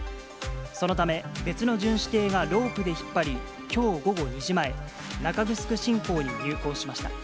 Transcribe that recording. そのため、別の巡視艇がロープで引っ張り、きょう午後２時前、中城新港に入港しました。